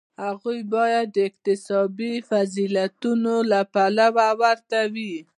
هغوی باید د اکتسابي فضیلتونو له پلوه ورته وي.